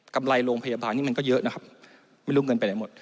ไรโรงพยาบาลนี้มันก็เยอะนะครับไม่รู้เงินไปไหนหมด